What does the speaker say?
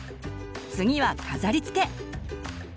次は飾りつけ！